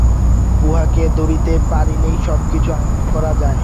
উহাকে ধরিতে পারিলেই সবকিছু আয়ত্ত করা যায়।